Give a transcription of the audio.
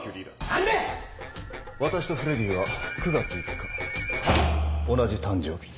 何で⁉私とフレディは９月５日同じ誕生日。